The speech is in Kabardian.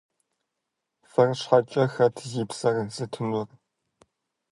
Фэр щхьэкӀэ хэт зи псэр зытынур?